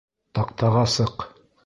Таҡтаға сыҡ